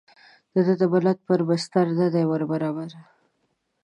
د ده د ملت پر بستر نه ده وربرابره.